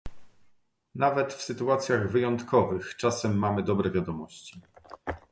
Nawet w sytuacjach wyjątkowych czasem mamy dobre wiadomości